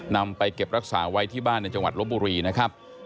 นำไปเก็บรักษาไว้ที่บ้านในจังหวัดลบบุรีนะครับ